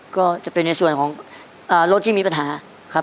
ก็จะเป็นในส่วนของรถที่มีปัญหาครับ